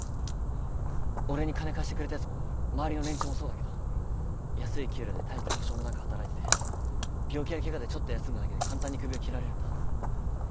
俺に金貸してくれたやつも周りの連中もそうだけど安い給料で大した保障もなく働いてて病気やケガでちょっと休んだだけで簡単に首を切られるんだ。